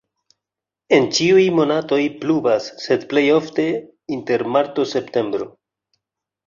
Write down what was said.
En ĉiuj monatoj pluvas, sed plej ofte inter marto-septembro.